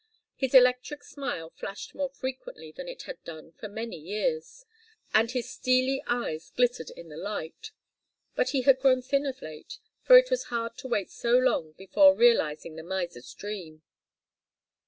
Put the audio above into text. His electric smile flashed more frequently than it had done for many years, and his steely eyes glittered in the light. But he had grown thin of late, for it was hard to wait so long before realizing the miser's dream.